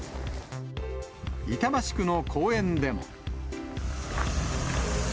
板橋区の公園でも。